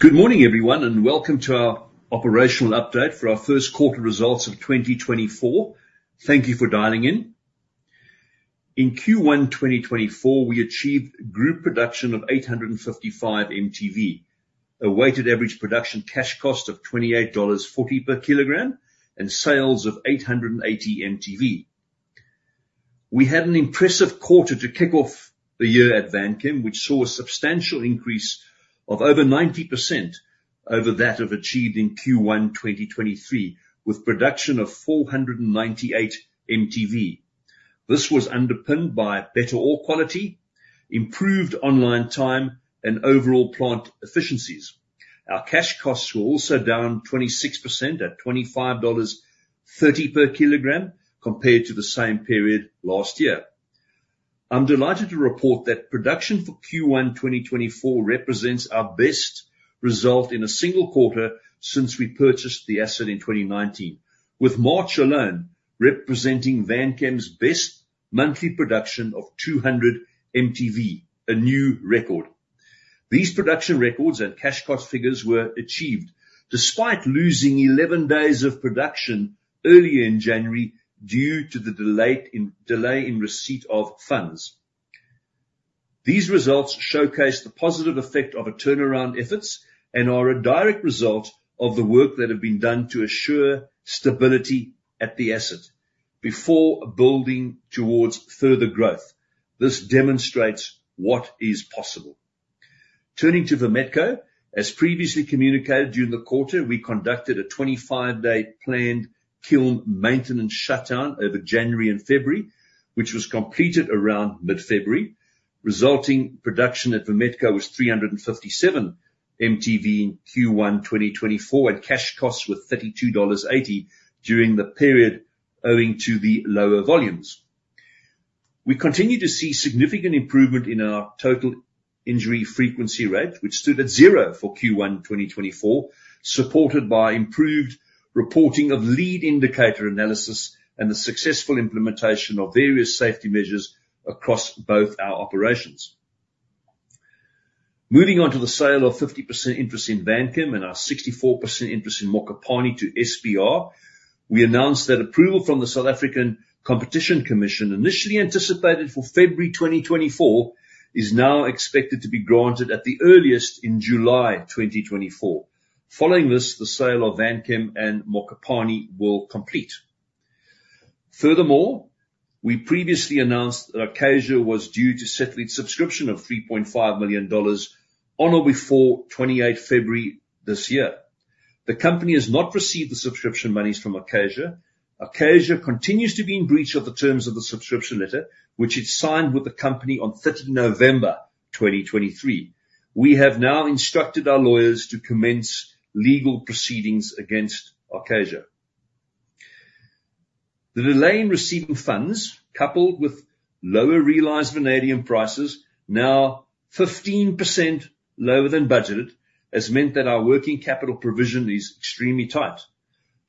Good morning, everyone, and welcome to our operational update for our Q1 results of 2024. Thank you for dialing in. In Q1 2024, we achieved group production of 855 mtV, a weighted average production cash cost of $28.40 per kilogram, and sales of 880 mtV. We had an impressive quarter to kick off the year at Vanchem, which saw a substantial increase of over 90% over that achieved in Q1 2023, with production of 498 mtV. This was underpinned by better ore quality, improved online time, and overall plant efficiencies. Our cash costs were also down 26% at $25.30 per kilogram compared to the same period last year. I'm delighted to report that production for Q1 2024 represents our best result in a single quarter since we purchased the asset in 2019, with March alone representing Vanchem's best monthly production of 200 mtV, a new record. These production records and cash cost figures were achieved despite losing 11 days of production earlier in January due to the delay in receipt of funds. These results showcase the positive effect of our turnaround efforts and are a direct result of the work that has been done to assure stability at the asset before building towards further growth. This demonstrates what is possible. Turning to Vametco, as previously communicated during the quarter, we conducted a 25-day planned kiln maintenance shutdown over January and February, which was completed around mid-February. Resulting production at Vametco was 357 mtV in Q1 2024 and cash costs were $32.80 during the period owing to the lower volumes. We continue to see significant improvement in our total injury frequency rate, which stood at zero for Q1 2024, supported by improved reporting of lead indicator analysis and the successful implementation of various safety measures across both our operations. Moving on to the sale of 50% interest in Vanchem and our 64% interest in Mokopane to SPR, we announced that approval from the South African Competition Commission initially anticipated for February 2024 is now expected to be granted at the earliest in July 2024. Following this, the sale of Vanchem and Mokopane will complete. Furthermore, we previously announced that Acacia was due to settle its subscription of $3.5 million on or before 28 February this year. The company has not received the subscription monies from Acacia. Acacia continues to be in breach of the terms of the subscription letter, which it signed with the company on 30 November 2023. We have now instructed our lawyers to commence legal proceedings against Acacia. The delay in receiving funds, coupled with lower realized vanadium prices, now 15% lower than budgeted, has meant that our working capital provision is extremely tight.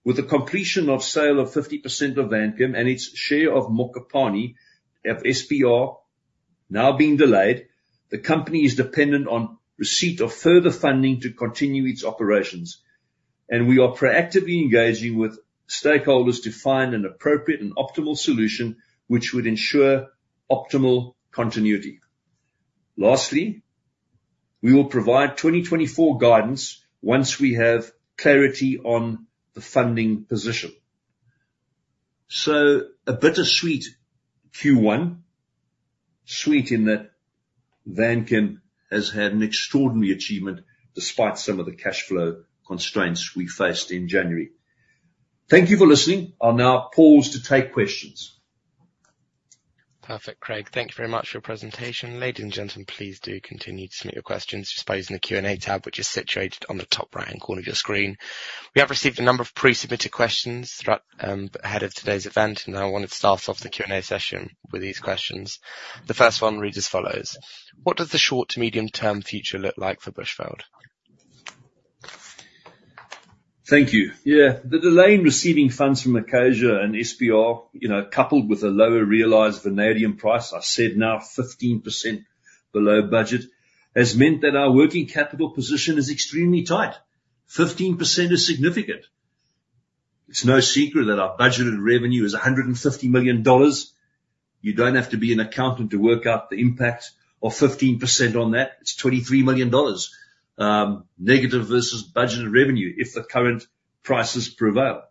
With the completion of sale of 50% of Vanchem and its share of Mokopane of SPR now being delayed, the company is dependent on receipt of further funding to continue its operations, and we are proactively engaging with stakeholders to find an appropriate and optimal solution which would ensure optimal continuity. Lastly, we will provide 2024 guidance once we have clarity on the funding position. So a bittersweet Q1, sweet in that Vanchem has had an extraordinary achievement despite some of the cash flow constraints we faced in January. Thank you for listening. I'll now pause to take questions. Perfect, Craig. Thank you very much for your presentation. Ladies and gentlemen, please do continue to submit your questions just by using the Q&A tab, which is situated on the top right-hand corner of your screen. We have received a number of pre-submitted questions ahead of today's event, and I wanted to start off the Q&A session with these questions. The first one reads as follows: What does the short to medium-term future look like for Bushveld? Thank you. Yeah, the delay in receiving funds from Acacia and SPR, coupled with a lower realized vanadium price, I said now 15% below budget, has meant that our working capital position is extremely tight. 15% is significant. It's no secret that our budgeted revenue is $150 million. You don't have to be an accountant to work out the impact of 15% on that. It's $23 million negative versus budgeted revenue if the current prices prevail.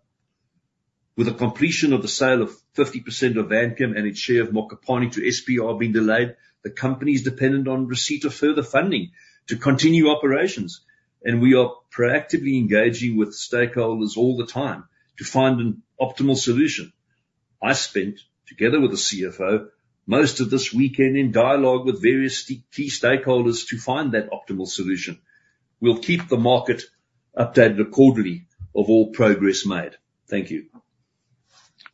With the completion of the sale of 50% of Vanchem and its share of Mokopane to SPR being delayed, the company is dependent on receipt of further funding to continue operations, and we are proactively engaging with stakeholders all the time to find an optimal solution. I spent, together with the CFO, most of this weekend in dialogue with various key stakeholders to find that optimal solution. We'll keep the market updated accordingly of all progress made. Thank you.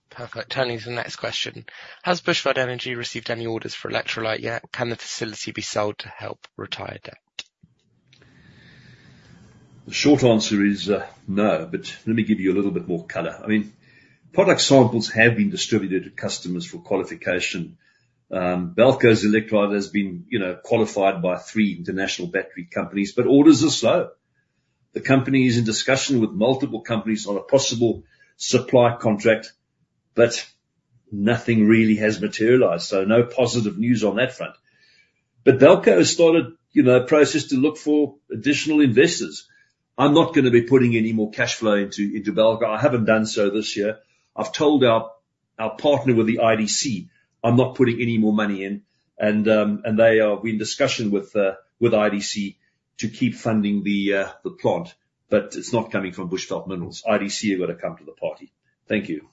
Perfect. Tony, the next question: Has Bushveld Energy received any orders for electrolyte yet? Can the facility be sold to help retire debt? The short answer is no, but let me give you a little bit more color. I mean, product samples have been distributed to customers for qualification. BELCO's electrolyte has been qualified by three international battery companies, but orders are slow. The company is in discussion with multiple companies on a possible supply contract, but nothing really has materialized, so no positive news on that front. But BELCO has started a process to look for additional investors. I'm not going to be putting any more cash flow into BELCO. I haven't done so this year. I've told our partner with the IDC, "I'm not putting any more money in," and we're in discussion with IDC to keep funding the plant, but it's not coming from Bushveld Minerals. IDC have got to come to the party. Thank you.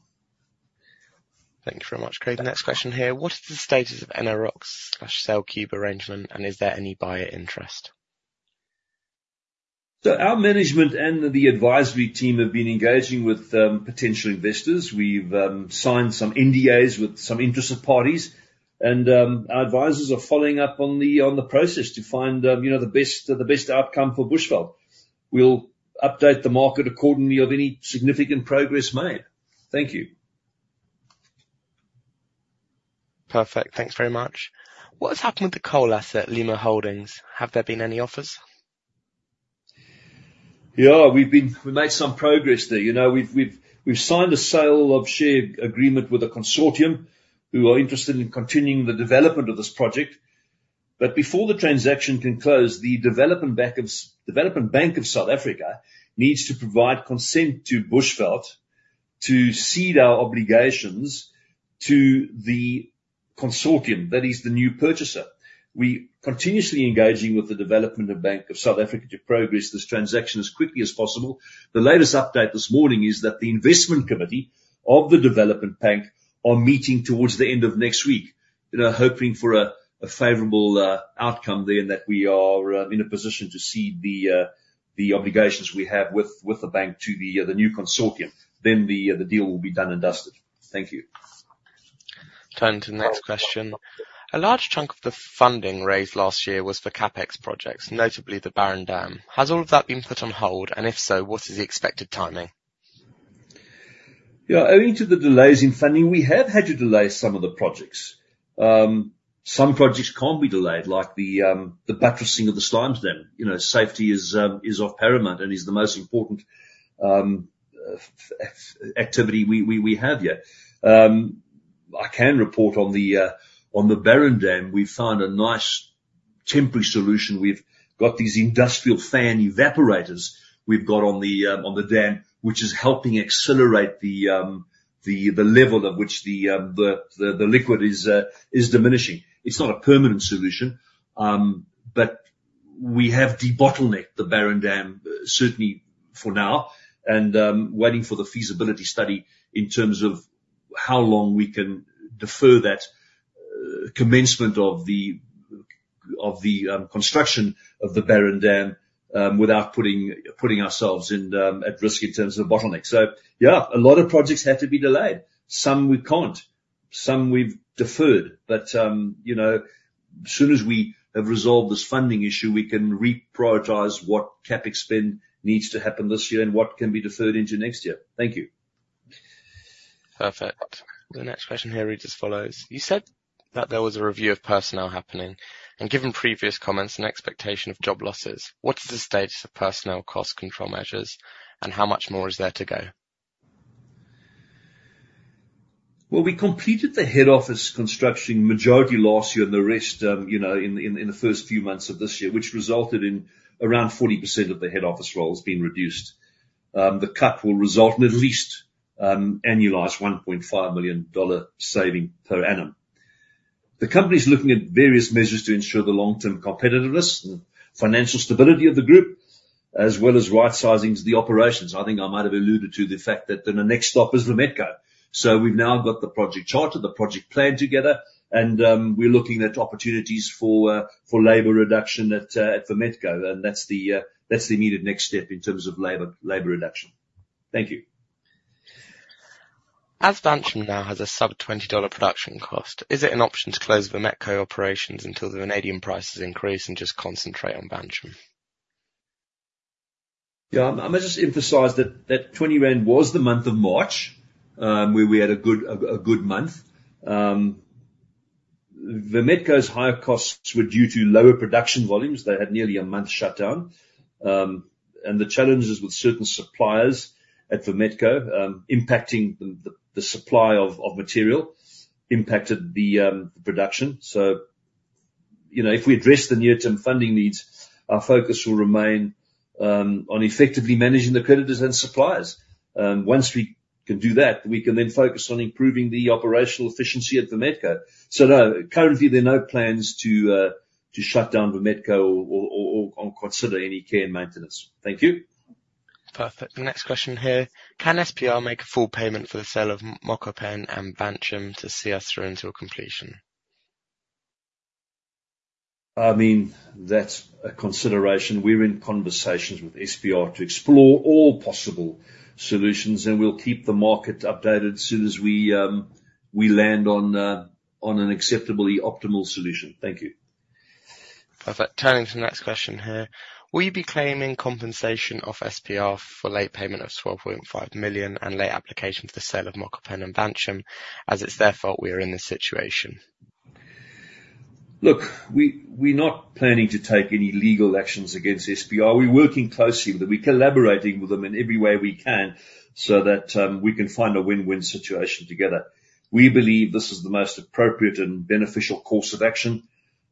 Thank you very much, Craig. The next question here: What is the status of Enerox/CellCube arrangement, and is there any buyer interest? So our management and the advisory team have been engaging with potential investors. We've signed some NDAs with some interested parties, and our advisors are following up on the process to find the best outcome for Bushveld. We'll update the market accordingly of any significant progress made. Thank you. Perfect. Thanks very much. What has happened with the coal asset, Lemur Holdings? Have there been any offers? Yeah, we've made some progress there. We've signed a sale of share agreement with a consortium who are interested in continuing the development of this project. But before the transaction can close, the Development Bank of South Africa needs to provide consent to Bushveld to cede our obligations to the consortium. That is the new purchaser. We're continuously engaging with the Development Bank of South Africa to progress this transaction as quickly as possible. The latest update this morning is that the investment committee of the Development Bank are meeting towards the end of next week, hoping for a favorable outcome there and that we are in a position to cede the obligations we have with the bank to the new consortium. Then the deal will be done and dusted. Thank you. Tony, the next question: A large chunk of the funding raised last year was for CapEx projects, notably the Barren Dam. Has all of that been put on hold, and if so, what is the expected timing? Yeah, owing to the delays in funding, we have had to delay some of the projects. Some projects can't be delayed, like the buttressing of the slimes dam. Safety is of paramount and is the most important activity we have here. I can report on the Barren Dam. We've found a nice temporary solution. We've got these industrial fan evaporators we've got on the dam, which is helping accelerate the level of which the liquid is diminishing. It's not a permanent solution, but we have debottlenecked the Barren Dam, certainly for now, and waiting for the feasibility study in terms of how long we can defer that commencement of the construction of the Barren Dam without putting ourselves at risk in terms of bottlenecks. So yeah, a lot of projects have to be delayed. Some we can't. Some we've deferred. But as soon as we have resolved this funding issue, we can reprioritize what CapEx spend needs to happen this year and what can be deferred into next year. Thank you. Perfect. The next question here reads as follows: You said that there was a review of personnel happening, and given previous comments and expectation of job losses, what's the status of personnel cost control measures, and how much more is there to go? Well, we completed the head office construction majority last year and the rest in the first few months of this year, which resulted in around 40% of the head office roles being reduced. The cut will result in at least annualized $1.5 million saving per annum. The company's looking at various measures to ensure the long-term competitiveness and financial stability of the group, as well as right-sizing the operations. I think I might have alluded to the fact that the next stop is Vametco. So we've now got the project charter, the project plan together, and we're looking at opportunities for labor reduction at Vametco, and that's the immediate next step in terms of labor reduction. Thank you. As Vanchem now has a sub-$20 production cost, is it an option to close Vametco operations until the vanadium prices increase and just concentrate on Vanchem? Yeah, I might just emphasize that 20 rand was the month of March where we had a good month. Vametco's higher costs were due to lower production volumes. They had nearly a month shutdown, and the challenges with certain suppliers at Vametco, impacting the supply of material, impacted the production. So if we address the near-term funding needs, our focus will remain on effectively managing the creditors and suppliers. Once we can do that, we can then focus on improving the operational efficiency at Vametco. So no, currently, there are no plans to shut down Vametco or consider any care and maintenance. Thank you. Perfect. The next question here: Can SPR make a full payment for the sale of Mokopane and Vanchem to see us through until completion? I mean, that's a consideration. We're in conversations with SPR to explore all possible solutions, and we'll keep the market updated as soon as we land on an acceptably optimal solution. Thank you. Perfect. Tony, the next question here: Will you be claiming compensation of SPR for late payment of $12.5 million and late application for the sale of Mokopane and Vanchem, as it's their fault we are in this situation? Look, we're not planning to take any legal actions against SPR. We're working closely with them. We're collaborating with them in every way we can so that we can find a win-win situation together. We believe this is the most appropriate and beneficial course of action.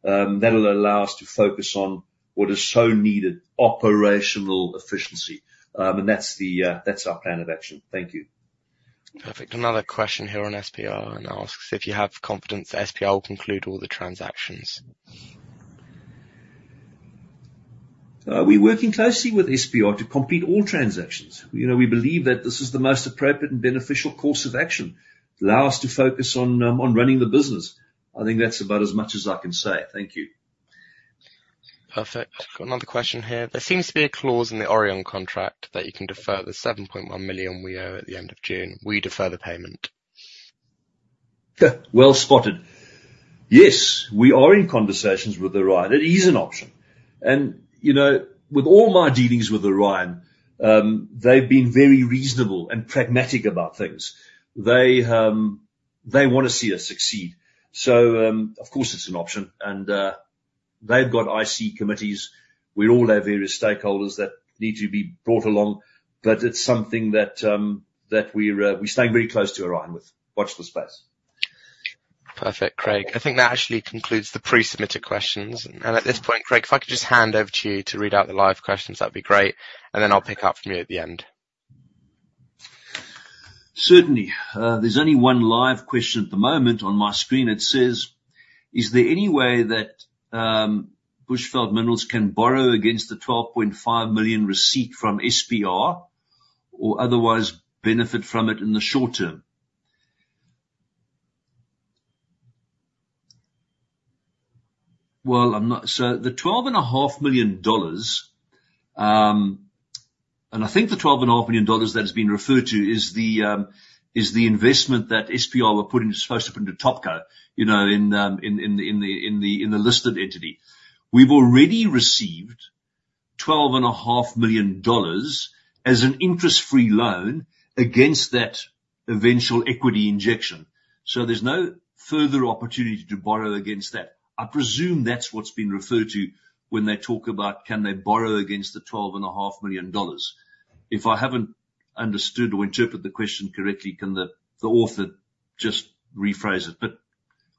That'll allow us to focus on what is so needed, operational efficiency, and that's our plan of action. Thank you. Perfect. Another question here on SPR, and I'll ask if you have confidence SPR will conclude all the transactions. We're working closely with SPR to complete all transactions. We believe that this is the most appropriate and beneficial course of action. It allows us to focus on running the business. I think that's about as much as I can say. Thank you. Perfect. Another question here: There seems to be a clause in the Orion contract that you can defer the $7.1 million we owe at the end of June. We defer the payment. Yeah, well spotted. Yes, we are in conversations with Orion. It is an option. And with all my dealings with Orion, they've been very reasonable and pragmatic about things. They want to see us succeed. So of course, it's an option, and they've got IC committees. We all have various stakeholders that need to be brought along, but it's something that we're staying very close to Orion with. Watch the space. Perfect, Craig. I think that actually concludes the pre-submitted questions. At this point, Craig, if I could just hand over to you to read out the live questions, that'd be great, and then I'll pick up from you at the end. Certainly. There's only one live question at the moment on my screen. It says, "Is there any way that Bushveld Minerals can borrow against the $12.5 million receipt from SPR or otherwise benefit from it in the short term?" Well, so the $12.5 million and I think the $12.5 million that has been referred to is the investment that SPR were supposed to put into Topco in the listed entity. We've already received $12.5 million as an interest-free loan against that eventual equity injection. So there's no further opportunity to borrow against that. I presume that's what's been referred to when they talk about, "Can they borrow against the $12.5 million?" If I haven't understood or interpreted the question correctly, can the author just rephrase it? But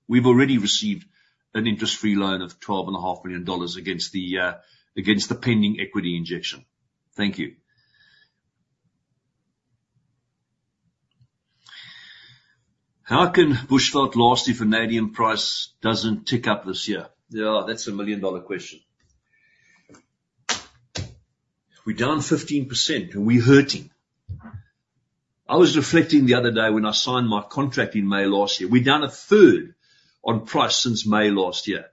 we've already received an interest-free loan of $12.5 million against the pending equity injection. Thank you. How can Bushveld last if vanadium price doesn't tick up this year? Yeah, that's a million-dollar question. We're down 15%, and we're hurting. I was reflecting the other day when I signed my contract in May last year. We're down a third on price since May last year.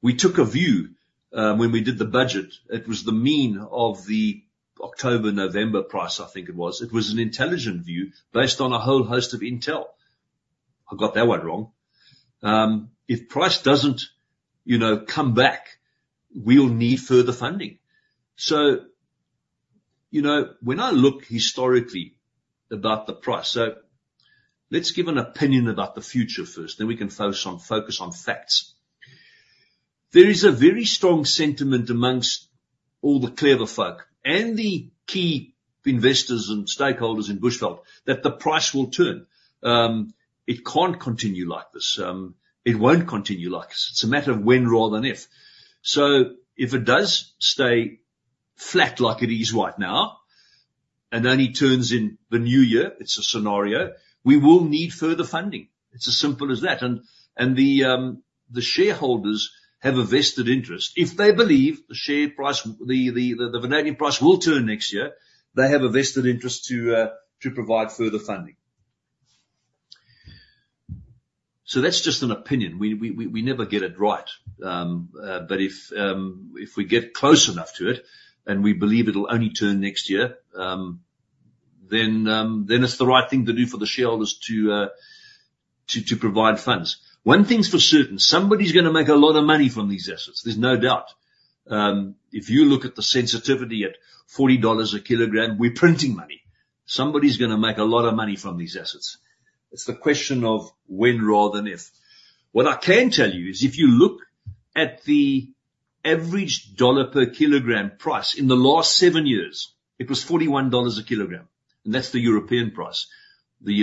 We took a view when we did the budget. It was the mean of the October-November price, I think it was. It was an intelligent view based on a whole host of intel. I got that one wrong. If price doesn't come back, we'll need further funding. So when I look historically about the price so let's give an opinion about the future first, then we can focus on facts. There is a very strong sentiment amongst all the clever folk and the key investors and stakeholders in Bushveld that the price will turn. It can't continue like this. It won't continue like this. It's a matter of when rather than if. So if it does stay flat like it is right now and only turns in the new year, it's a scenario. We will need further funding. It's as simple as that. And the shareholders have a vested interest. If they believe the vanadium price will turn next year, they have a vested interest to provide further funding. So that's just an opinion. We never get it right. But if we get close enough to it and we believe it'll only turn next year, then it's the right thing to do for the shareholders to provide funds. One thing's for certain, somebody's going to make a lot of money from these assets. There's no doubt. If you look at the sensitivity at $40 a kilogram, we're printing money. Somebody's going to make a lot of money from these assets. It's the question of when rather than if. What I can tell you is if you look at the average dollar per kilogram price in the last seven years, it was $41 a kilogram, and that's the European price. In the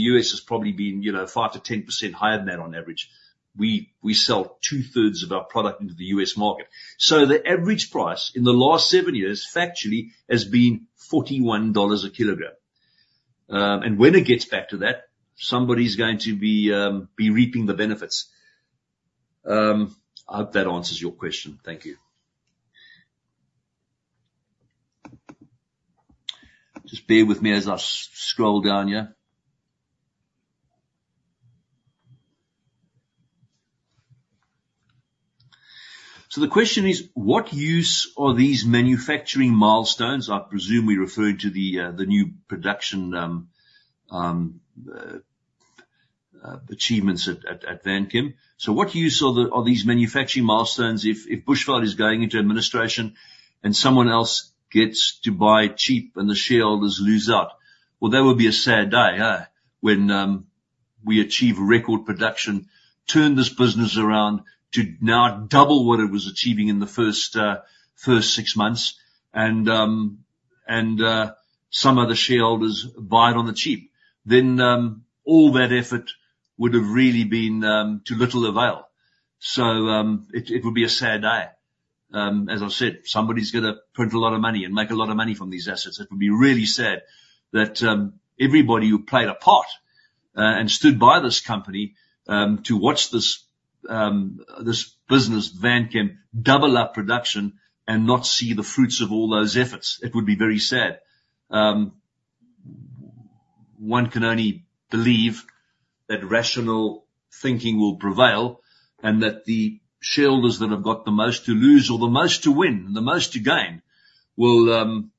U.S., it's probably been 5%-10% higher than that on average. We sell 2/3 of our product into the U.S. market. So, the average price in the last seven years, factually, has been $41 a kilogram. And when it gets back to that, somebody's going to be reaping the benefits. I hope that answers your question. Thank you. Just bear with me as I scroll down here. So the question is: What use are these manufacturing milestones? I presume we're referring to the new production achievements at Vanchem. So what use are these manufacturing milestones if Bushveld is going into administration and someone else gets to buy cheap and the shareholders lose out? Well, that would be a sad day, huh, when we achieve record production, turn this business around to now double what it was achieving in the first six months, and some of the shareholders buy it on the cheap. Then all that effort would have really been to little avail. So it would be a sad day. As I said, somebody's going to print a lot of money and make a lot of money from these assets. It would be really sad that everybody who played a part and stood by this company to watch this business, Vanchem, double up production and not see the fruits of all those efforts. It would be very sad. One can only believe that rational thinking will prevail and that the shareholders that have got the most to lose, or the most to win, and the most to gain will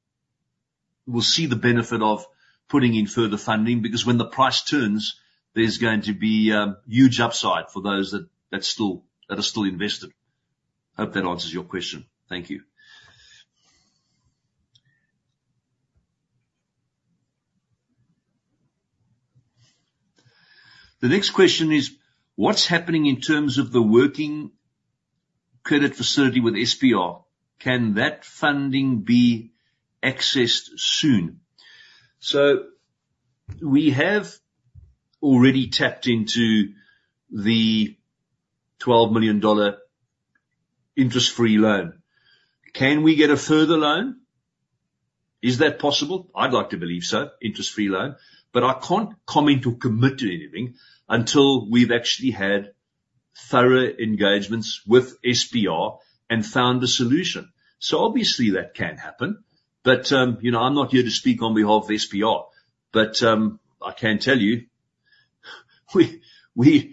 see the benefit of putting in further funding. Because when the price turns, there's going to be huge upside for those that are still invested. I hope that answers your question. Thank you. The next question is, what's happening in terms of the working credit facility with SPR? Can that funding be accessed soon? So we have already tapped into the $12 million interest-free loan. Can we get a further loan? Is that possible? I'd like to believe so, interest-free loan, but I can't comment or commit to anything until we've actually had thorough engagements with SPR and found a solution. So obviously, that can happen, but I'm not here to speak on behalf of SPR. But I can tell you, we're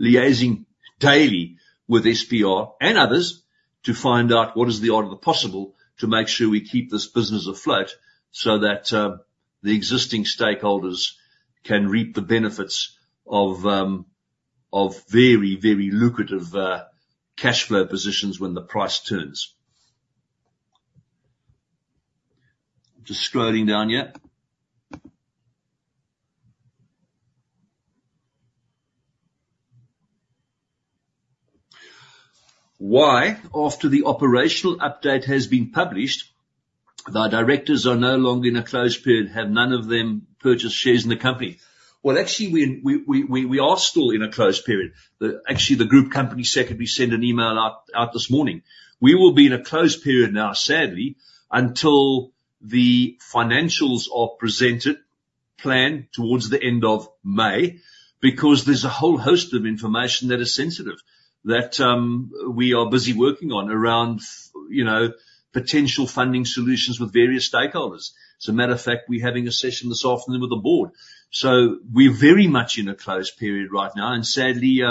liaising daily with SPR and others to find out what is the odds of the possible to make sure we keep this business afloat so that the existing stakeholders can reap the benefits of very, very lucrative cash flow positions when the price turns. I'm just scrolling down here. Why, after the operational update has been published, though directors are no longer in a closed period, have none of them purchased shares in the company? Well, actually, we are still in a closed period. Actually, the group company secretary sent an email out this morning. We will be in a closed period now, sadly, until the financials are presented, planned towards the end of May because there's a whole host of information that is sensitive that we are busy working on around potential funding solutions with various stakeholders. As a matter of fact, we're having a session this afternoon with the board. So we're very much in a closed period right now, and sadly,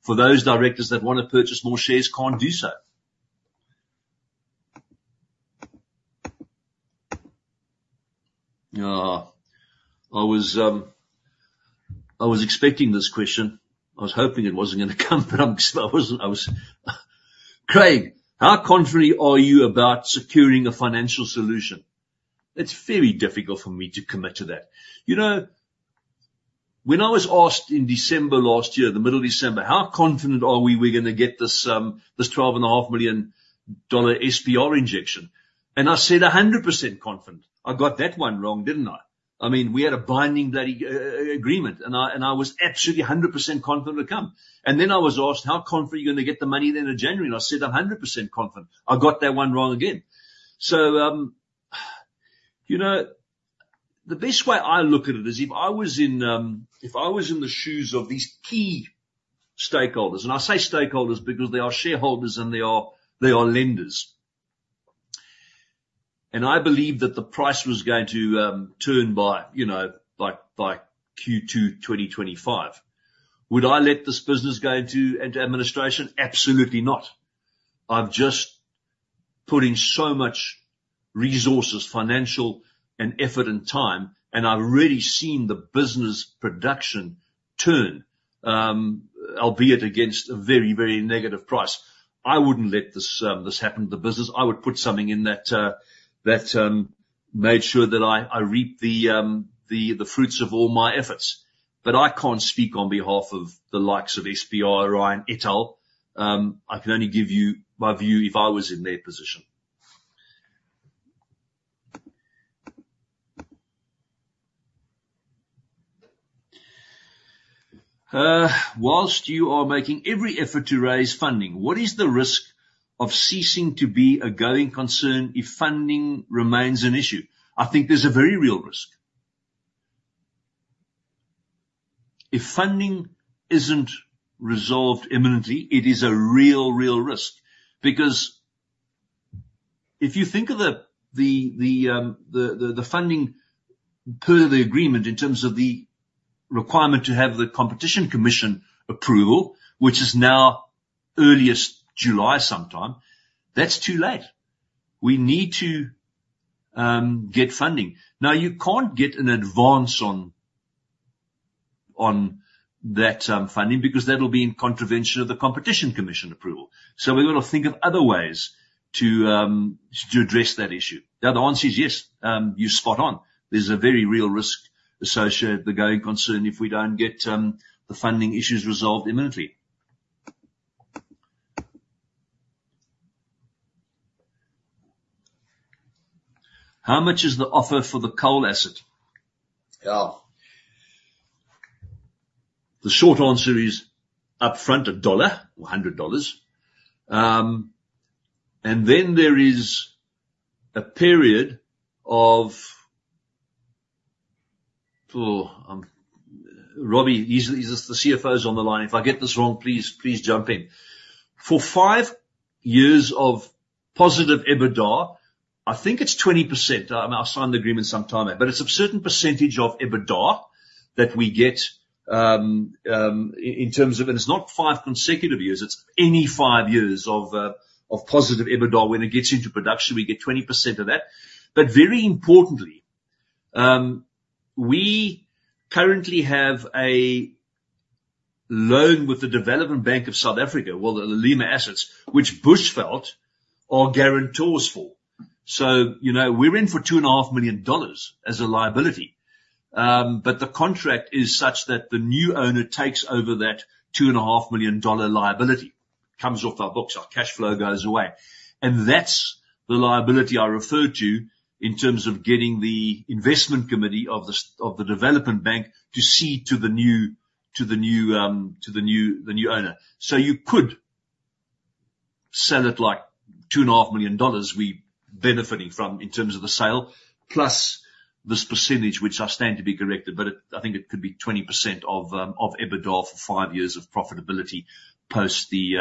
for those directors that want to purchase more shares, can't do so. I was expecting this question. I was hoping it wasn't going to come, but I wasn't: Craig, how confident are you about securing a financial solution? It's very difficult for me to commit to that. When I was asked in December last year, the middle of December, how confident are we we're going to get this $12.5 million SPR injection? And I said, "100% confident." I got that one wrong, didn't I? I mean, we had a binding bloody agreement, and I was absolutely 100% confident it would come. And then I was asked, "How confident are you going to get the money then in January?" And I said, "100% confident." I got that one wrong again. So the best way I look at it is if I was in the shoes of these key stakeholders and I say stakeholders because they are shareholders and they are lenders, and I believe that the price was going to turn by Q2 2025, would I let this business go into administration? Absolutely not. I've just put in so much resources, financial, and effort and time, and I've already seen the business production turn, albeit against a very, very negative price. I wouldn't let this happen to the business. I would put something in that made sure that I reap the fruits of all my efforts. But I can't speak on behalf of the likes of SPR, Orion, et al. I can only give you my view if I was in their position. While you are making every effort to raise funding, what is the risk of ceasing to be a going concern if funding remains an issue? I think there's a very real risk. If funding isn't resolved imminently, it is a real, real risk because if you think of the funding per the agreement in terms of the requirement to have the Competition Commission approval, which is now earliest July sometime, that's too late. We need to get funding. Now, you can't get an advance on that funding because that'll be in contravention of the Competition Commission approval. So we've got to think of other ways to address that issue. The other answer is yes, you're spot on. There's a very real risk associated with the going concern if we don't get the funding issues resolved imminently. How much is the offer for the coal asset? The short answer is upfront $1 or $100. And then there is a period of Robbie, the CFO's on the line, if I get this wrong, please jump in. For five years of positive EBITDA, I think it's 20%. I mean, I'll sign the agreement sometime out, but it's a certain percentage of EBITDA that we get in terms of and it's not five consecutive years. It's any five years of positive EBITDA. When it gets into production, we get 20% of that. But very importantly, we currently have a loan with the Development Bank of South Africa, well, the Lemur Holdings, which Bushveld are guarantors for. So we're in for $2.5 million as a liability, but the contract is such that the new owner takes over that $2.5 million liability, comes off our books. Our cash flow goes away. And that's the liability I referred to in terms of getting the investment committee of the Development Bank to cede to the new owner. So you could sell it like $2.5 million we're benefiting from in terms of the sale plus this percentage, which I stand to be corrected, but I think it could be 20% of EBITDA for five years of profitability post the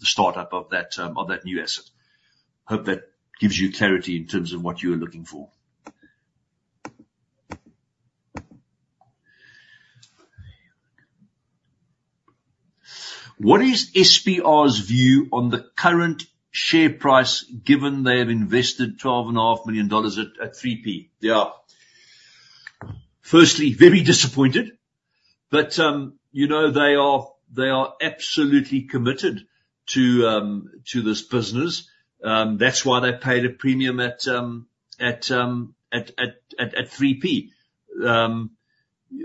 startup of that new asset. Hope that gives you clarity in terms of what you are looking for. What is SPR's view on the current share price given they have invested $12.5 million at 3p? Yeah. Firstly, very disappointed, but they are absolutely committed to this business. That's why they paid a premium at 3p.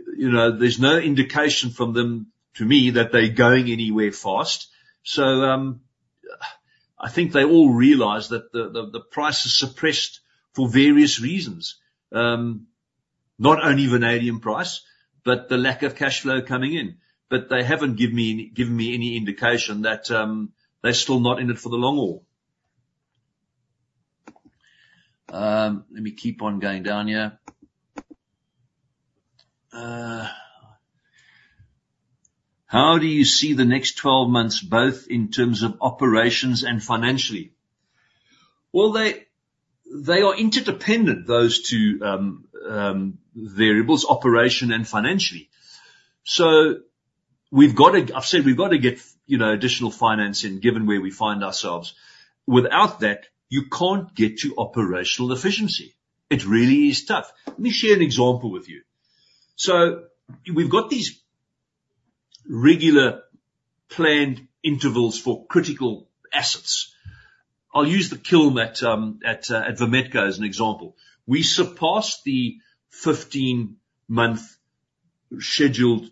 There's no indication from them to me that they're going anywhere fast. So I think they all realize that the price is suppressed for various reasons, not only vanadium price, but the lack of cash flow coming in. But they haven't given me any indication that they're still not in it for the long haul. Let me keep on going down here. How do you see the next 12 months both in terms of operations and financially? Well, they are interdependent, those two variables, operation and financially. So, I've said we've got to get additional finance in given where we find ourselves. Without that, you can't get to operational efficiency. It really is tough. Let me share an example with you. So we've got these regular planned intervals for critical assets. I'll use the kiln at Vametco as an example. We surpassed the 15-month scheduled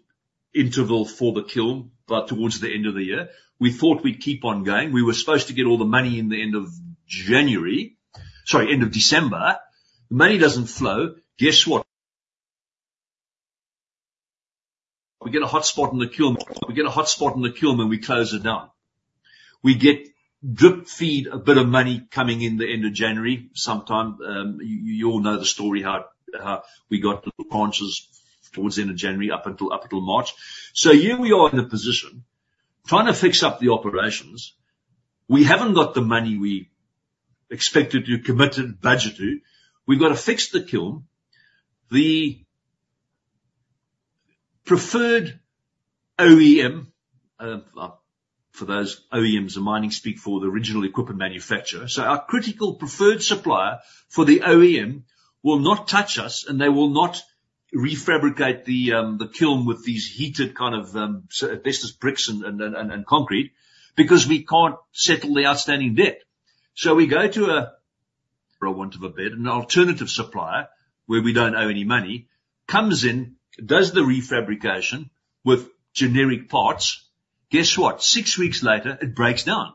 interval for the kiln towards the end of the year. We thought we'd keep on going. We were supposed to get all the money in the end of January sorry, end of December. The money doesn't flow. Guess what? We get a hot spot in the kiln. We get a hot spot in the kiln, and we close it down. We get drip-feed a bit of money coming in the end of January sometime. You all know the story, how we got the tranches towards the end of January up until March. So here we are in a position trying to fix up the operations. We haven't got the money we expected to commit and budget to. We've got to fix the kiln. The preferred OEM for those OEMs the mining speak for, the original equipment manufacturer. So our critical preferred supplier for the OEM will not touch us, and they will not refabricate the kiln with these heated kind of at best as bricks and concrete because we can't settle the outstanding debt. So we go to an alternative supplier where we don't owe any money comes in, does the refabrication with generic parts. Guess what? Six weeks later, it breaks down,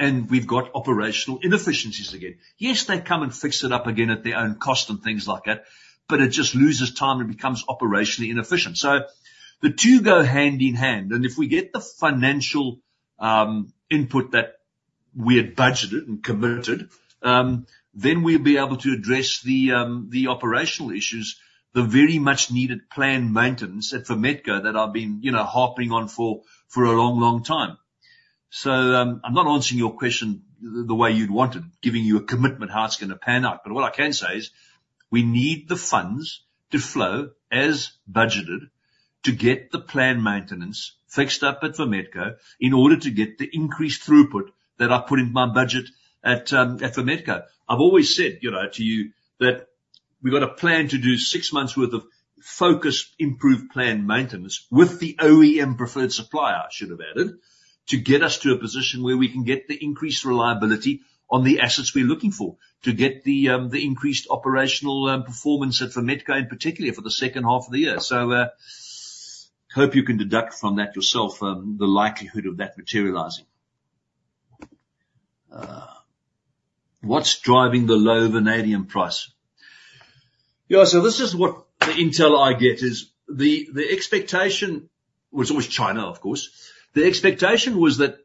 and we've got operational inefficiencies again. Yes, they come and fix it up again at their own cost and things like that, but it just loses time and becomes operationally inefficient. So the two go hand in hand. And if we get the financial input that we had budgeted and committed, then we'll be able to address the operational issues, the very much needed planned maintenance at Vametco that I've been harping on for a long, long time. So I'm not answering your question the way you'd wanted, giving you a commitment how it's going to pan out. But what I can say is we need the funds to flow as budgeted to get the planned maintenance fixed up at Vametco in order to get the increased throughput that I put in my budget at Vametco. I've always said to you that we've got to plan to do six months' worth of focused, improved planned maintenance with the OEM preferred supplier, I should have added, to get us to a position where we can get the increased reliability on the assets we're looking for, to get the increased operational performance at Vametco, and particularly for the second half of the year. So I hope you can deduce from that yourself the likelihood of that materializing. What's driving the low vanadium price? Yeah. So this is what the intel I get is the expectation was always China, of course. The expectation was that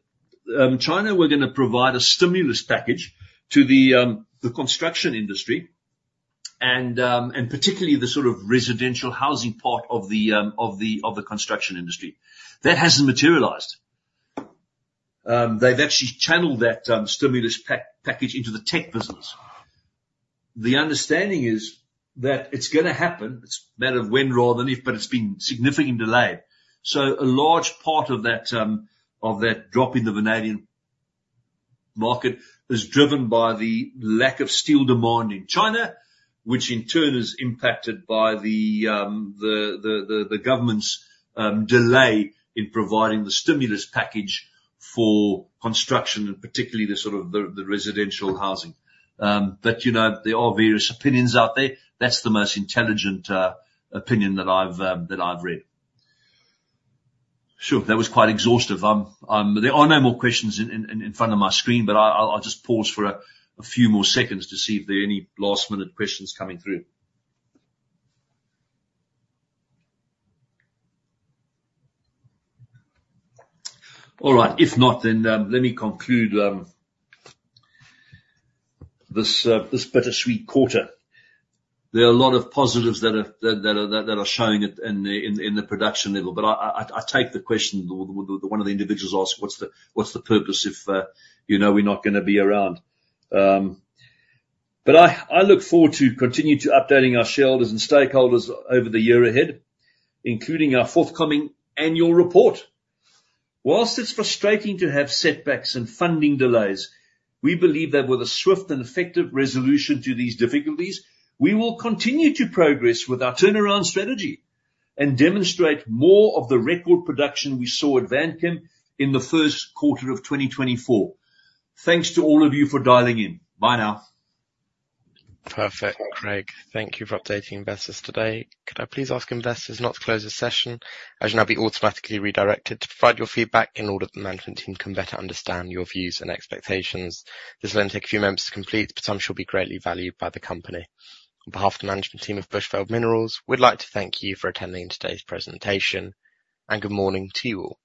China were going to provide a stimulus package to the construction industry and particularly the sort of residential housing part of the construction industry. That hasn't materialized. They've actually channeled that stimulus package into the tech business. The understanding is that it's going to happen. It's a matter of when, rather than if, but it's been significantly delayed. So a large part of that drop in the vanadium market is driven by the lack of steel demand in China, which in turn is impacted by the government's delay in providing the stimulus package for construction and particularly the sort of the residential housing. But there are various opinions out there. That's the most intelligent opinion that I've read. Sure, that was quite exhaustive. I know more questions in front of my screen, but I'll just pause for a few more seconds to see if there are any last-minute questions coming through. All right. If not, then let me conclude this bittersweet quarter. There are a lot of positives that are showing in the production level, but I take the question one of the individuals asks, "What's the purpose if we're not going to be around?" I look forward to continuing to updating our shareholders and stakeholders over the year ahead, including our forthcoming annual report. While it's frustrating to have setbacks and funding delays, we believe that with a swift and effective resolution to these difficulties, we will continue to progress with our turnaround strategy and demonstrate more of the record production we saw at Vanchem in the Q1 of 2024. Thanks to all of you for dialing in. Bye now. Perfect, Craig. Thank you for updating investors today. Could I please ask investors not to close the session as you'll now be automatically redirected to provide your feedback in order for the management team to better understand your views and expectations? This will only take a few minutes to complete, but some shall be greatly valued by the company. On behalf of the management team of Bushveld Minerals, we'd like to thank you for attending today's presentation, and good morning to you all.